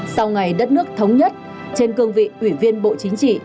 sau ngày đất nước thống nhất trên cương vị ủy viên bộ chính trị